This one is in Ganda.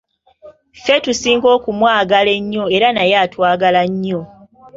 Ffe, tusinga okumwagala ennyo era naye atwagala nnyo.